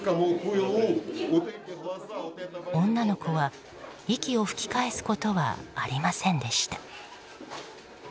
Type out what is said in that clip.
女の子は息を吹き返すことはありませんでした。